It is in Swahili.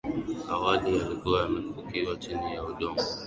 awali yalikuwa yamefukiwa chini na udongo